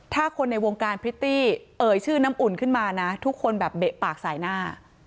ถ้าคนในวงการพริตตี้เอ่ยชื่อน้ำอุ่นขึ้นมานะทุกคนแบบเบะปากสายหน้า